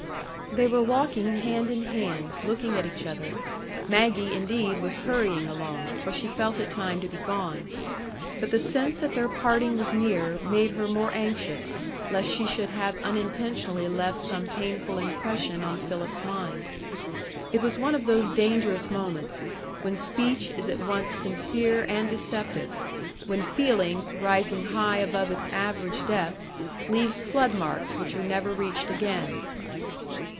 They were walking hand in hand, looking at each other; Maggie, indeed, was hurrying along, for she felt it time to be gone. But the sense that their parting was near made her more anxious lest she should have unintentionally left some painful impression on Philip's mind. It was one of those dangerous moments when speech is at once sincere and deceptive; when feeling, rising high above its average depth, leaves floodmarks which are never reached again.